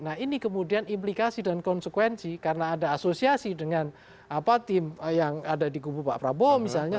nah ini kemudian implikasi dan konsekuensi karena ada asosiasi dengan tim yang ada di kubu pak prabowo misalnya